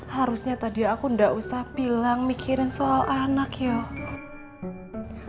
harusnya tadi aku nggak usah bilang mikirin soal anak ya